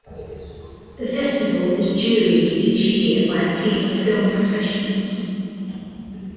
The Festival is juried each year by a team of film professionals.